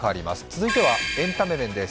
続いてはエンタメ面です。